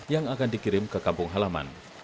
yang akan dikirim ke kampung halaman